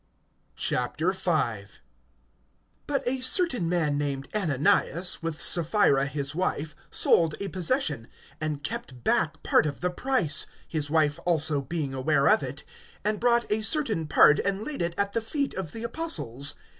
V. BUT a certain man named Ananias, with Sapphira his wife, sold a possession, (2)and kept back part of the price, his wife also being aware of it, and brought a certain part, and laid it at the feet of the apostles.